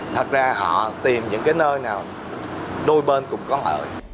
thật ra họ tìm những cái nơi nào đôi bên cũng có lợi